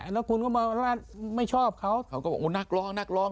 แล้วคุณก็มาไม่ชอบเขาเขาก็บอกนักร้องนักร้อง